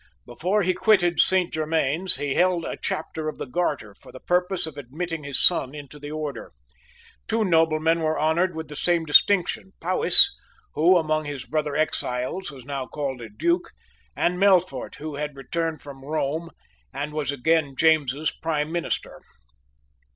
Before he quitted Saint Germains, he held a Chapter of the Garter for the purpose of admitting his son into the order. Two noblemen were honoured with the same distinction, Powis, who, among his brother exiles, was now called a Duke, and Melfort, who had returned from Rome, and was again James's Prime Minister.